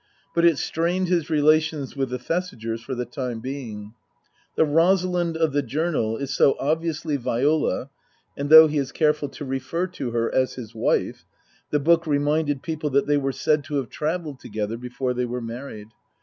But it strained his relations with the Thesigers for the time being. The Rosalind of the " Journal " is so obviously Viola, and though he is careful to refer to her as his wife, the book reminded people that they were said to have travelled together before they were married.